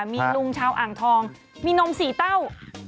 มีลุงชาวอ่างทองมีนมสี่เต้า